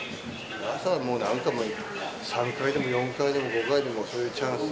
それはもう何度も、３回でも４回でも５回でも、そういうチャンス。